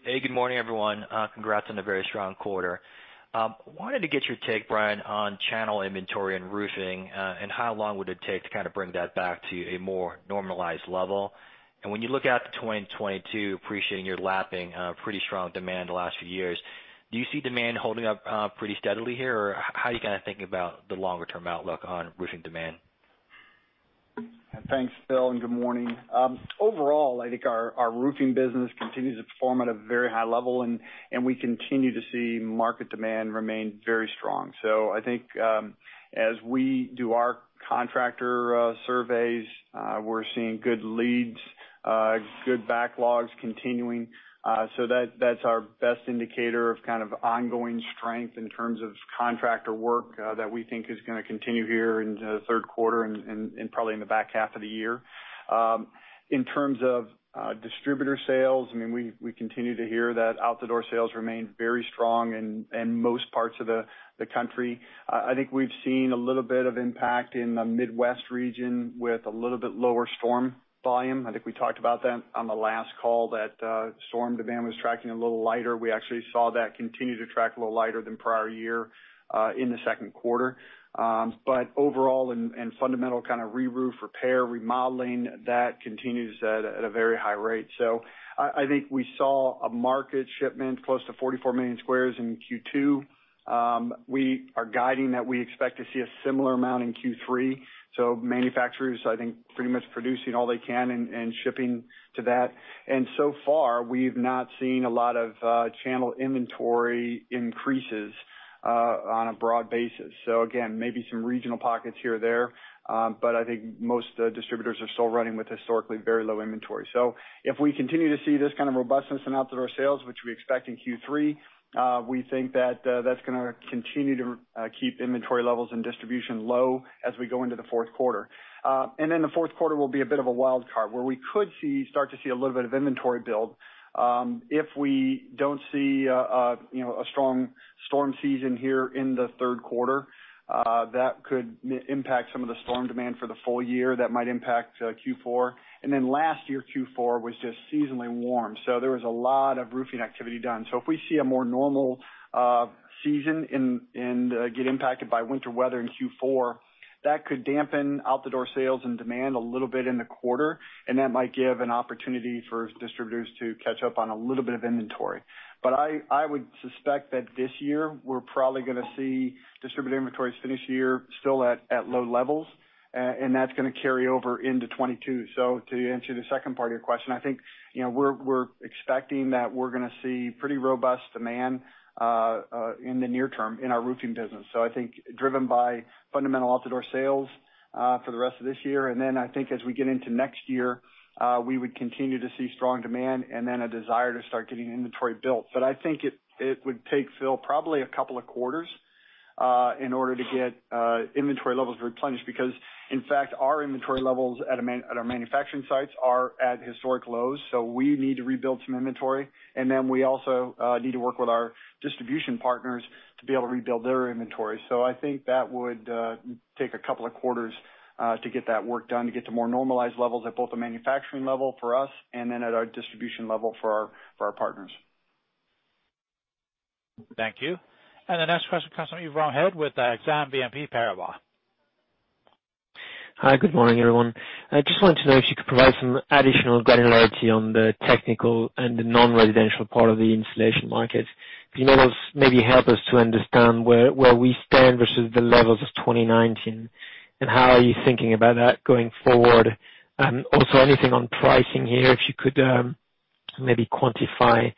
Hey, good morning, everyone. Congrats on a very strong quarter. Wanted to get your take, Brian, on channel inventory and roofing, and how long would it take to bring that back to a more normalized level. When you look out to 2022, appreciating you're lapping pretty strong demand the last few years, do you see demand holding up pretty steadily here, or how are you gonna think about the longer-term outlook on roofing demand? Thanks, Philip, and good morning. Overall, I think our roofing business continues to perform at a very high level, and we continue to see market demand remain very strong. I think, as we do our contractor surveys, we're seeing good leads, good backlogs continuing. That's our best indicator of ongoing strength in terms of contractor work, that we think is gonna continue here into the third quarter and probably in the back half of the year. In terms of distributor sales, we continue to hear that out-the-door sales remain very strong in most parts of the country. I think we've seen a little bit of impact in the Midwest Region with a little bit lower storm volume. I think we talked about that on the last call, that storm demand was tracking a little lighter. We actually saw that continue to track a little lighter than prior year in the second quarter. Overall and fundamental kind of reroof repair, remodeling, that continues at a very high rate. I think we saw a market shipment close to 44 million squares in Q2. We are guiding that we expect to see a similar amount in Q3, so manufacturers, I think, pretty much producing all they can and shipping to that. So far, we've not seen a lot of channel inventory increases on a broad basis. Again, maybe some regional pockets here or there, but I think most distributors are still running with historically very low inventory. If we continue to see this kind of robustness in out-the-door sales, which we expect in Q3, we think that that's gonna continue to keep inventory levels and distribution low as we go into the fourth quarter. The fourth quarter will be a bit of a wild card, where we could start to see a little bit of inventory build. If we don't see a strong storm season here in the third quarter, that could impact some of the storm demand for the full year. That might impact Q4. Last year, Q4 was just seasonally warm, so there was a lot of roofing activity done. If we see a more normal season and get impacted by winter weather in Q4, that could dampen out-the-door sales and demand a little bit in the quarter, and that might give an opportunity for distributors to catch up on a little bit of inventory. I would suspect that this year, we're probably gonna see distributor inventories finish the year still at low levels, and that's gonna carry over into 2022. To answer the second part of your question, I think, we're expecting that we're gonna see pretty robust demand in the near term in our roofing business. I think driven by fundamental out-the-door sales for the rest of this year. I think as we get into next year, we would continue to see strong demand and then a desire to start getting inventory built. I think it would take, Philip Ng, probably two quarters in order to get inventory levels replenished, because, in fact, our inventory levels at our manufacturing sites are at historic lows, so we need to rebuild some inventory. We also need to work with our distribution partners to be able to rebuild their inventory. I think that would take two quarters to get that work done, to get to more normalized levels at both the manufacturing level for us and then at our distribution level for our partners. Thank you. The next question comes from Yves Bromehead with Exane BNP Paribas. Hi, good morning, everyone. I just wanted to know if you could provide some additional granularity on the technical and the non-residential part of the insulation market. If you can maybe help us to understand where we stand versus the levels of 2019, and how are you thinking about that going forward? Also, anything on pricing here, if you could maybe quantify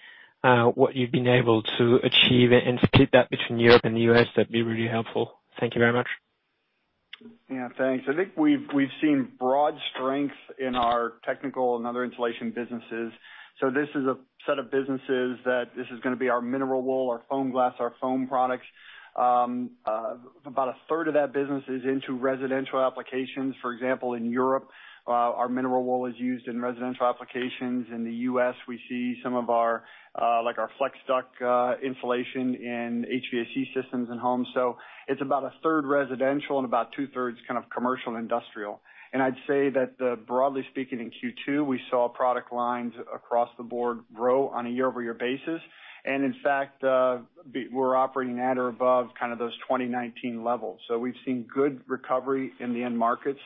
what you've been able to achieve and split that between Europe and the U.S., that'd be really helpful. Thank you very much. Thanks. I think we've seen broad strength in our technical and other insulation businesses. This is a set of businesses that this is gonna be our mineral wool, our Foamglas, our foam products. About a third of that business is into residential applications. For example, in Europe, our mineral wool is used in residential applications. In the U.S., we see some of our Flex duct insulation in HVAC systems in homes. It's about a third residential and about 2/3 commercial and industrial. I'd say that broadly speaking, in Q2, we saw product lines across the board grow on a year-over-year basis. In fact, we're operating at or above those 2019 levels. We've seen good recovery in the end markets,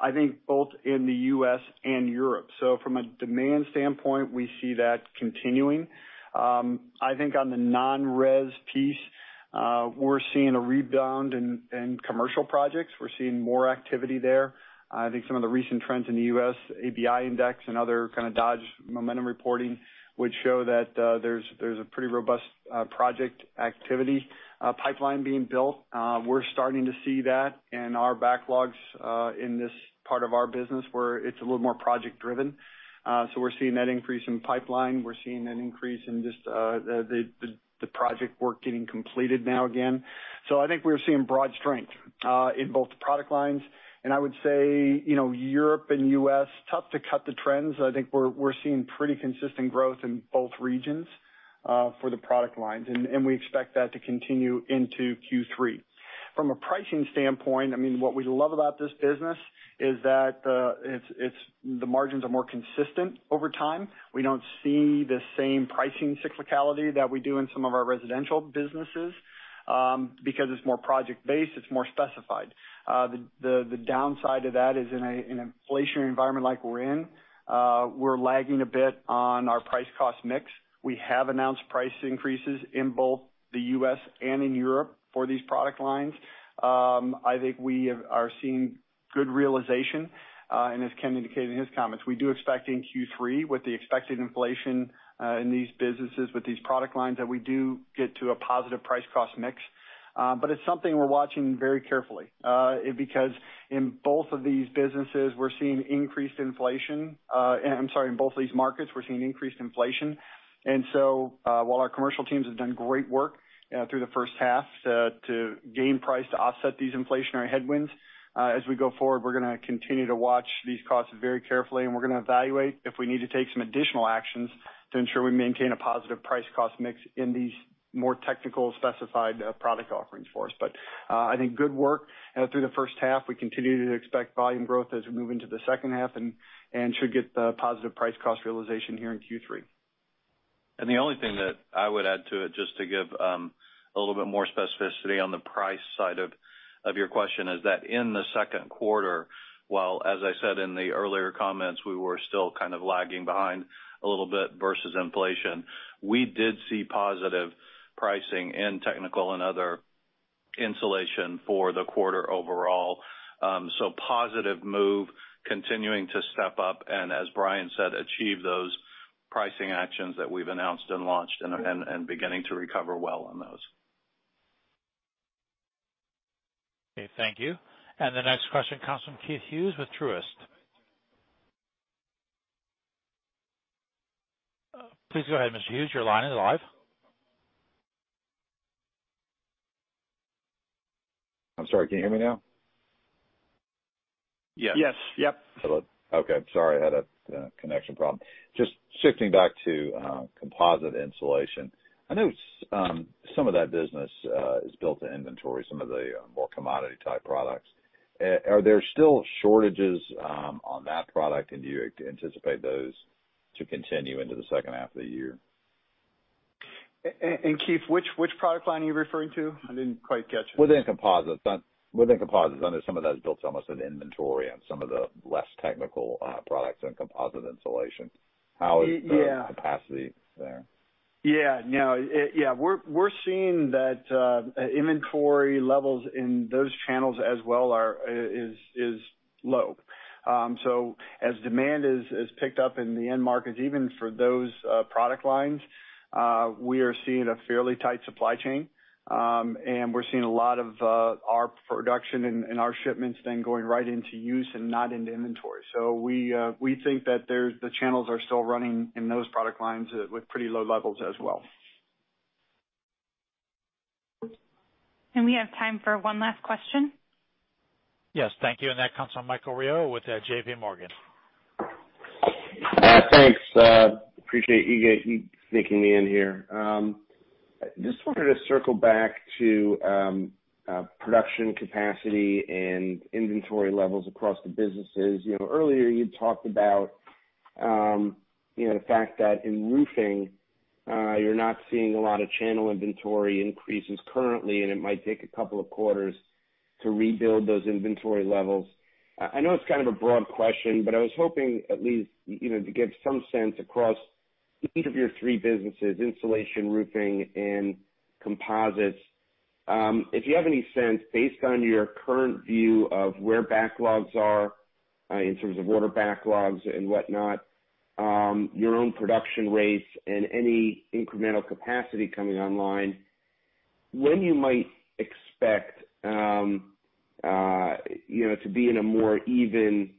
I think both in the U.S. and Europe. From a demand standpoint, we see that continuing. I think on the non-res piece. We're seeing a rebound in commercial projects. We're seeing more activity there. I think some of the recent trends in the U.S., ABI Index, and other kind of Dodge Momentum Index, which show that there's a pretty robust project activity pipeline being built. We're starting to see that in our backlogs, in this part of our business, where it's a little more project driven. We're seeing that increase in pipeline. We're seeing an increase in just the project work getting completed now again. I think we're seeing broad strength in both product lines. I would say, Europe and U.S., tough to cut the trends. I think we're seeing pretty consistent growth in both regions for the product lines, and we expect that to continue into Q3. From a pricing standpoint, what we love about this business is that the margins are more consistent over time. We don't see the same pricing cyclicality that we do in some of our residential businesses, because it's more project-based, it's more specified. The downside to that is in an inflationary environment like we're in, we're lagging a bit on our price-cost mix. We have announced price increases in both the U.S. and in Europe for these product lines. I think we are seeing good realization. As Ken Parks indicated in his comments, we do expect in Q3 with the expected inflation in these businesses, with these product lines, that we do get to a positive price-cost mix. It's something we're watching very carefully, because in both of these markets, we're seeing increased inflation. While our commercial teams have done great work through the first half to gain price to offset these inflationary headwinds, as we go forward, we're going to continue to watch these costs very carefully, and we're going to evaluate if we need to take some additional actions to ensure we maintain a positive price-cost mix in these more technical specified product offerings for us. I think good work through the first half. We continue to expect volume growth as we move into the second half and should get the positive price-cost realization here in Q3. The only thing that I would add to it, just to give a little bit more specificity on the price side of your question, is that in the second quarter, while, as I said in the earlier comments, we were still kind of lagging behind a little bit versus inflation. We did see positive pricing in technical and other insulation for the quarter overall. Positive move, continuing to step up, and as Brian said, achieve those pricing actions that we've announced and launched and beginning to recover well on those. Okay, thank you. The next question comes from Keith Hughes with Truist. Please go ahead, Mr. Hughes. Your line is live. I'm sorry, can you hear me now? Yes. Yes. Hello. Okay. Sorry, I had a connection problem. Just shifting back to composite insulation. I know some of that business is built to inventory, some of the more commodity-type products. Are there still shortages on that product, and do you anticipate those to continue into the second half of the year? Keith, which product line are you referring to? I didn't quite catch it. Within composites. I know some of that is built almost in inventory and some of the less technical products in composite insulation. How is the capacity there? Yeah. We're seeing that inventory levels in those channels as well is low. As demand has picked up in the end markets, even for those product lines, we are seeing a fairly tight supply chain. We're seeing a lot of our production and our shipments then going right into use and not into inventory. We think that the channels are still running in those product lines with pretty low levels as well. Can we have time for one last question. Yes. Thank you. That comes from Mike Rehaut with JPMorgan. Thanks. Appreciate you sneaking me in here. Just wanted to circle back to production capacity and inventory levels across the businesses. Earlier you talked about the fact that in roofing, you're not seeing a lot of channel inventory increases currently, and it might take two quarters to rebuild those inventory levels. I know it's kind of a broad question, but I was hoping at least to get some sense across each of your three businesses, insulation, roofing, and composites. If you have any sense, based on your current view of where backlogs are in terms of order backlogs and whatnot, your own production rates and any incremental capacity coming online, when you might expect to be in a more even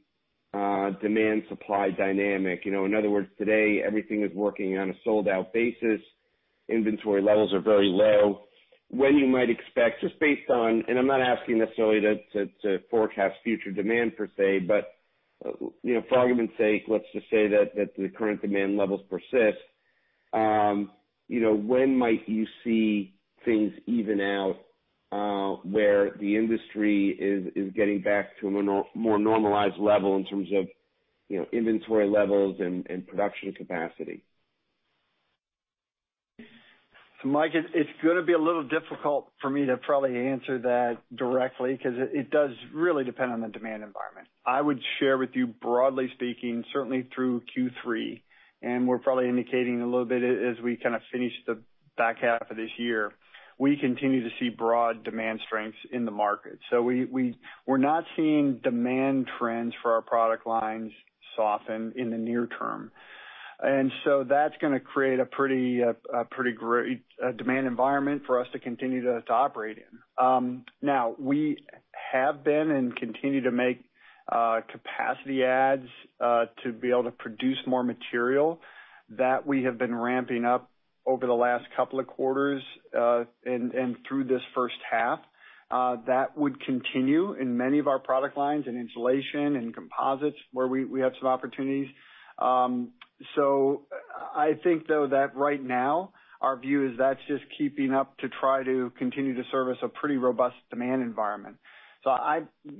demand-supply dynamic. In other words, today everything is working on a sold-out basis. Inventory levels are very low. When you might expect, just based on, and I'm not asking necessarily to forecast future demand per se, but for argument's sake, let's just say that the current demand levels persist. When might you see things even out, where the industry is getting back to a more normalized level in terms of inventory levels and production capacity? Mike, it's going to be a little difficult for me to probably answer that directly, because it does really depend on the demand environment. I would share with you, broadly speaking, certainly through Q3, and we're probably indicating a little bit as we kind of finish the back half of this year, we continue to see broad demand strengths in the market. We're not seeing demand trends for our product lines soften in the near term. That's going to create a pretty great demand environment for us to continue to operate in. Now, we have been and continue to make capacity adds to be able to produce more material that we have been ramping up over the last couple of quarters, and through this first half. That would continue in many of our product lines, in insulation and composites, where we have some opportunities. I think though that right now our view is that's just keeping up to try to continue to service a pretty robust demand environment.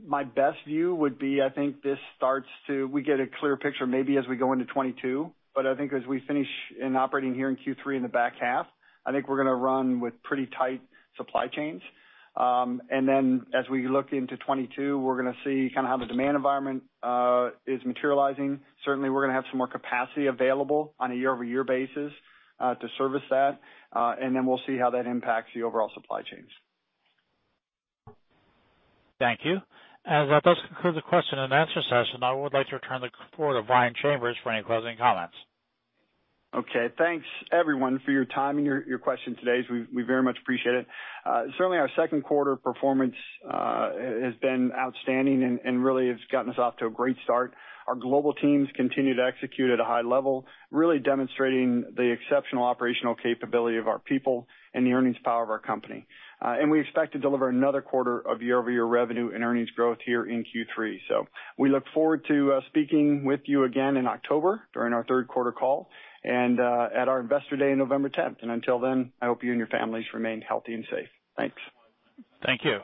My best view would be, I think this starts to we get a clear picture maybe as we go into 2022. I think as we finish in operating here in Q3 in the back half, I think we're going to run with pretty tight supply chains. As we look into 2022, we're going to see kind of how the demand environment is materializing. Certainly, we're going to have some more capacity available on a year-over-year basis to service that. We'll see how that impacts the overall supply chains. Thank you. As that does conclude the question and answer session, I would like to turn the floor to Brian Chambers for any closing comments. Okay. Thanks everyone for your time and your questions today. We very much appreciate it. Certainly, our second quarter performance has been outstanding and really has gotten us off to a great start. Our global teams continue to execute at a high level, really demonstrating the exceptional operational capability of our people and the earnings power of our company. We expect to deliver another quarter of year-over-year revenue and earnings growth here in Q3. We look forward to speaking with you again in October during our third quarter call and at our Investor Day on November 10th. Until then, I hope you and your families remain healthy and safe. Thanks. Thank you.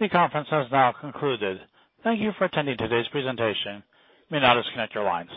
The conference has now concluded. Thank you for attending today's presentation. You may now disconnect your lines.